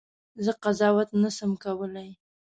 زه قضاوت نه سم کولای.